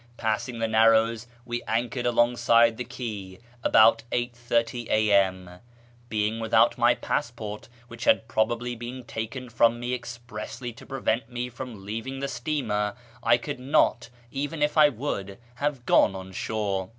Passing the narrows, we anchored alongside the quay about 8.30 a.m. Being without my passport (which had probably been taken from me expressly to prevent me from leaving the steamer) I could not, even if I would, have gone on shore.